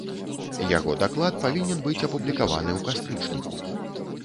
Яго даклад павінен быць апублікаваны ў кастрычніку.